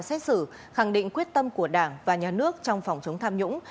xét xử khẳng định quyết tâm của đảng và nhà nước trong phòng chống tham nhũng